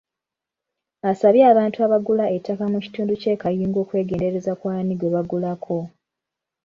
Asabye abantu abagula ettaka mu kitundu ky’e Kayunga okwegendereza ku ani gwe bagulako.